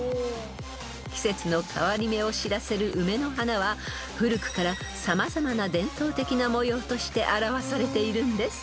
［季節の変わり目を知らせる梅の花は古くから様々な伝統的な模様として表されているんです］